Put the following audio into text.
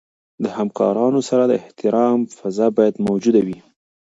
د همکارانو سره د احترام فضا باید موجوده وي.